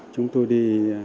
chúng tôi đi